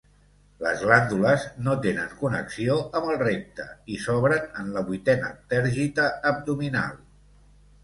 Les glàndules no tenen connexió amb el recte i s'obren en la vuitena tergita abdominal.